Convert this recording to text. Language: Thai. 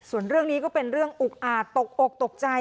ส่วนเรื่องนี้ก็เป็นเรื่องอุกอาจตกอกตกใจ